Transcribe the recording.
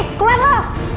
p i keluar lo